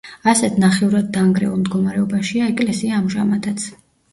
ასეთ ნახევრადდანგრეულ მდგომარეობაშია ეკლესია ამჟამადაც.